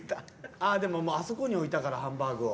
ああでもあそこに置いたからハンバーグを。